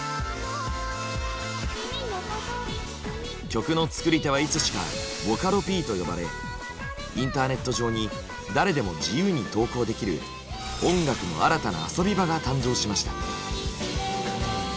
曲の作り手はいつしか「ボカロＰ」と呼ばれインターネット上に誰でも自由に投稿できる音楽の新たな「遊び場」が誕生しました。